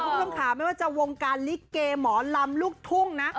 คุณผู้ชมค่ะไม่ว่าจะวงการลิเกหมอลำลูกทุ่งนะ